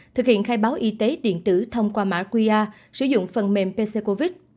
thực hiện khai báo y tế điện tử thông qua mã qr sử dụng phần mềm pccovid